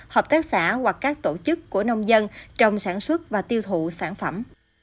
hợp tác xã hoặc các tổ chức của nông dân trong sản xuất và tiêu thụ sản phẩm